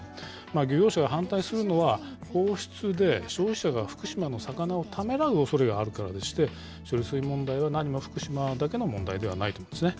漁業者が反対するのは、放出で、消費者が福島の魚をためらうおそれがあるからでして、処理水問題は何も福島だけの問題ではないんですね。